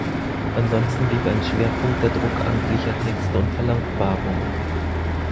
Ansonsten blieb ein Schwerpunkt der Druck amtlicher Texte und Verlautbarungen.